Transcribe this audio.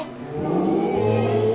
お！